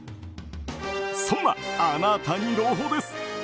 そんなあなたに朗報です。